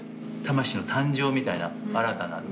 魂の誕生みたいな新たな。